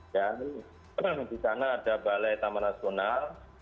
dan di sana ada balai taman nasional